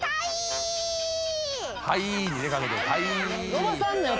伸ばさんのよ。